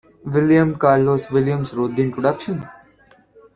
William Carlos Williams wrote the introduction.